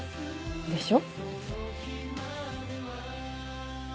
でしょ？